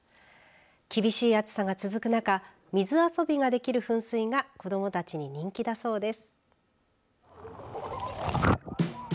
厳しい暑さが続く中水遊びができる噴水が子どもたちに人気だそうです。